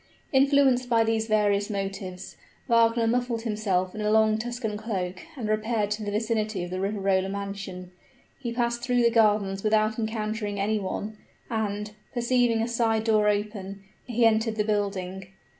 Influenced by these various motives, Wagner muffled himself in a long Tuscan cloak and repaired to the vicinity of the Riverola mansion. He passed through the gardens without encountering any one, and, perceiving a side door open, he entered the building.